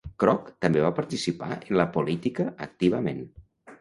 Kroc també va participar en la política activament.